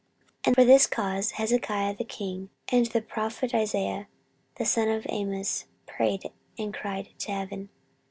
14:032:020 And for this cause Hezekiah the king, and the prophet Isaiah the son of Amoz, prayed and cried to heaven.